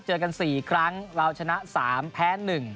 เจอกัน๔ครั้งเราชนะ๓แพ้๑